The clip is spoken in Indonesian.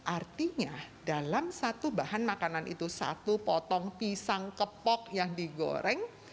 artinya dalam satu bahan makanan itu satu potong pisang kepok yang digoreng